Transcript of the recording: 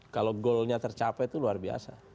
kalau goalnya tercapai itu luar biasa